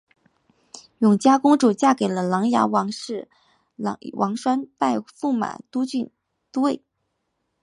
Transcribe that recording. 永嘉公主嫁给了琅琊王氏王铨拜驸马都尉。